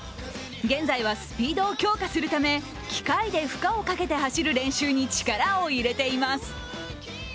現在はスピードを強化するため機械で負荷をかけて走る練習に力を入れています。